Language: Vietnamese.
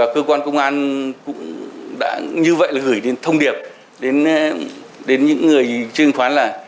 cơ quan công an cũng đã như vậy gửi thông điệp đến những người trương khoán